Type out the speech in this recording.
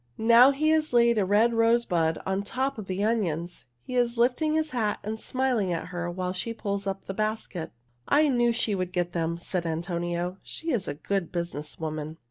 Now he has laid a red rosebud on top of the onions. He is lifting his hat and smiling at her while she pulls up the basket." "I knew she would get them," said Antonio. "She is a good business woman."